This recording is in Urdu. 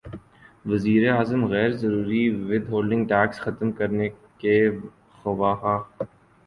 وزیراعظم غیر ضروری ود ہولڈنگ ٹیکس ختم کرنے کے خواہاں